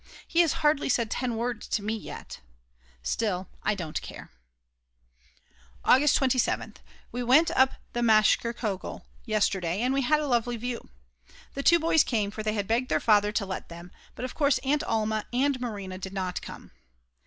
He has hardly said 10 words to me yet. Still, I don't care. August 27th. We went up the Matscherkogel yesterday, and we had a lovely view. The two boys came, for they had begged their father to let them; but of course Aunt Alma and Marina did not come.